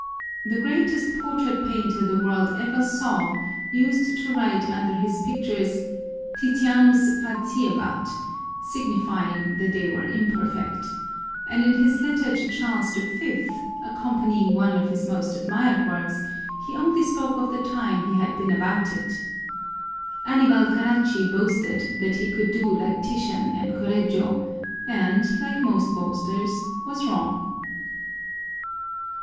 The greatest portrait painter the world ever saw used to write under his pictures, " Titianus faciebat" signifying that they were imperfect; and in his letter to Charles V. accompanying one of his most admired works, he only spoke of the time he had been about it. Annibal Caracci boasted that he could do like Titian and Correggio, and, like most boasters, was wrong.